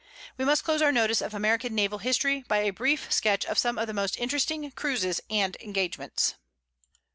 We must close our notice of American naval history, by a brief sketch of some of the most interesting cruises and engagements.